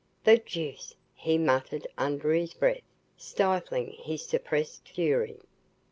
"The deuce!" he muttered under his breath, stifling his suppressed fury.